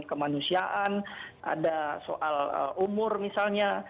kemanusiaan ada soal umur misalnya